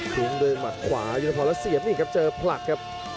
ถึงเริ่มมาขวายุติภรณ์นี้ครับเจอปลักครับ